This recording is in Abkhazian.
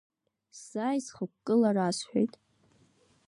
Сзааиз, хықәкыла, расҳәеит.